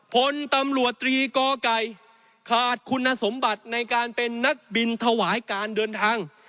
พลตำรวจตรีกอไก่ขาดคุณสมบัติในการเป็นนักบินถวายการเดินทาง